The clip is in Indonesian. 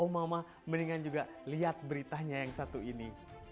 sama mendingan juga liat beritanya yang satu ini